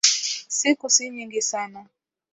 Siku si nyingi sana